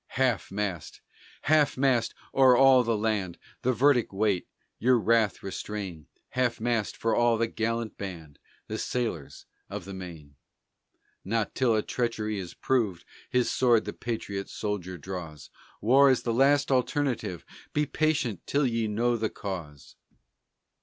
Half mast! Half mast! o'er all the land; The verdict wait; your wrath restrain; Half mast for all that gallant band The sailors of the Maine! Not till a treachery is proved His sword the patriot soldier draws; War is the last alternative Be patient till ye know the cause.